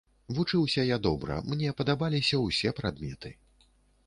Вучыўся я добра, мне падабаліся ўсе прадметы.